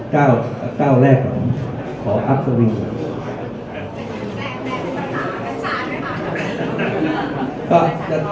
จิตที่ท่านวางไว้ใต้ที่สิ่งนี้คือ๐๘บาท